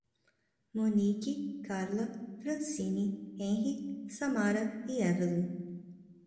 Monique, Karla, Francine, Henry, Samara e Évelin